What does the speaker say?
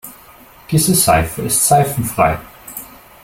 Diese Seife ist seifenfrei.